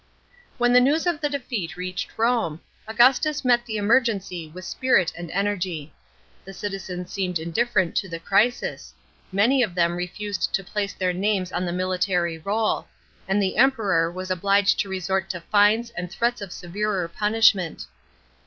§ 11. When the news of the defeat reached Rome, Augustus met the emergency with spirit and energy. The citizens seemed in different to the* crisis ; many of them refused to place their names on the military roll; and the Empeior was obliged to resort to fines and threats of severer punishment.